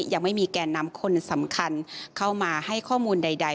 ยังไม่มีแก่นำคนสำคัญเข้ามาให้ข้อมูลใด